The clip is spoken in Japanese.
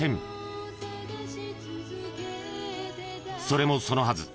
［それもそのはず